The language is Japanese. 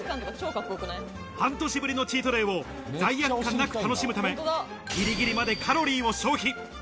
半年ぶりのチートデイを罪悪感なく楽しむためぎりぎりまでカロリーを消費。